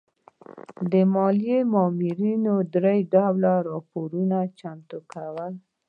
د مالیې مامورینو درې ډوله راپورونه چمتو کول.